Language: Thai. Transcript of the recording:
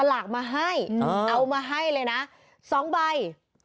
นี่ไง